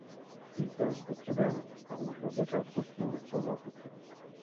Víte to předem a už od začátku s tím souhlasíte.